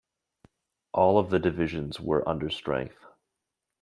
All of the divisions were understrength.